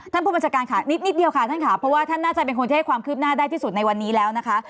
ท่านผู้บัญชาการค่ะนิดเดียวค่ะท่านค่ะเพราะว่าท่านน่าจะเป็นคนที่ให้ความคืบหน้าได้ที่สุดในวันนี้แล้วนะคะ